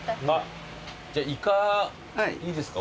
じゃあイカいいですか？